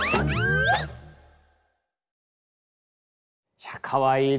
いやかわいいですねえ。